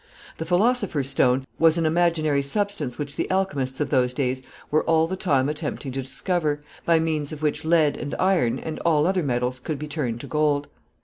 The philosopher's stone was an imaginary substance which the alchemists of those days were all the time attempting to discover, by means of which lead and iron, and all other metals, could be turned to gold.